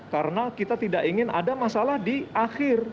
karena kita tidak ingin ada masalah di akhir